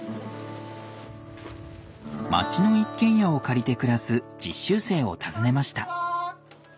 町の一軒家を借りて暮らす実習生を訪ねました。